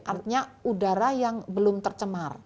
artinya udara yang belum tercemar